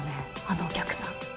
あのお客さん。